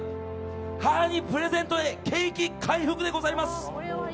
母にプレゼントで景気回復でございます！